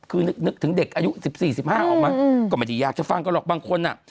คือนึกถึงเด็กอายุ๑๔๑๕ออกมาก็ไม่ได้อยากจะฟังกันหรอกบางคน